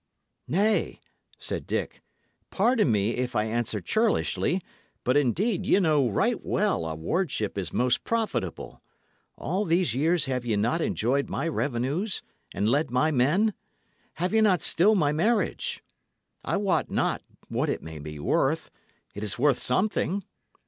"Nay," said Dick, "pardon me if I answer churlishly; but indeed ye know right well a wardship is most profitable. All these years have ye not enjoyed my revenues, and led my men? Have ye not still my marriage? I wot not what it may be worth it is worth something.